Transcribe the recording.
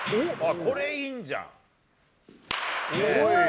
これ、いいんじゃん？